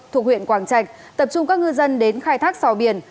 thuộc huyện quảng trạch tập trung các ngư dân đến khai thác sò biển